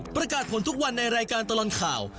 ประกาศผลทุกวันในรายการตลอดข่าว